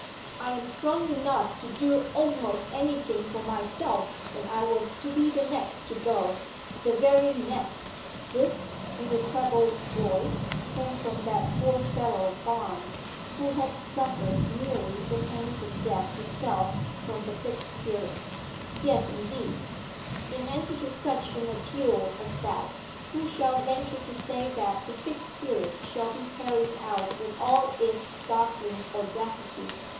"I am strong enough to do a'most anything for myself, and I was to be the next to go, the very next." This in a treble voice came from that poor fellow Barnes, who had suffered nearly the pangs of death itself from the Fixed Period. "Yes, indeed; in answer to such an appeal as that, who shall venture to say that the Fixed Period shall be carried out with all its startling audacity?